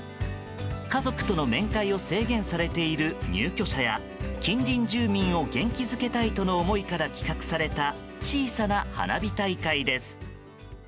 家族との面会を制限されている入居者や近隣住民を元気づけたいという思いから企画された小さな花火大会です。